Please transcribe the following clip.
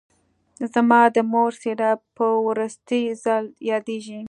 زما د مور څېره په وروستي ځل یادېږي